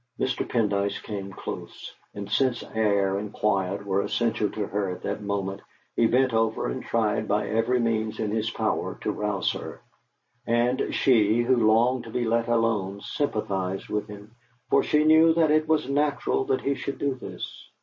Mr. Pendyce came close, and since air and quiet were essential to her at that moment, he bent over and tried by every means in his power to rouse her; and she, who longed to be let alone, sympathised with him, for she knew that it was natural that he should do this.